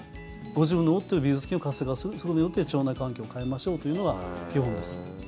ご自分が持っているビフィズス菌を活性化するそれによって腸内環境を変えましょうというのが基本です。